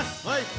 はい！